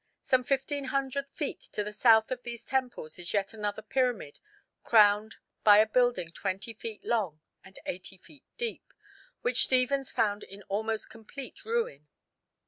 Some fifteen hundred feet to the south of these temples is yet another pyramid crowned by a building 20 feet long and 80 feet deep, which Stephens found in almost complete ruin.